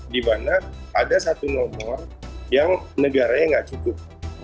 di mana ada satu nomor yang negaranya nggak cukup